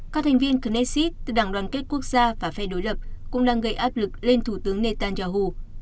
các thành viên cnese từ đảng đoàn kết quốc gia và phe đối lập cũng đang gây áp lực lên thủ tướng netanyahu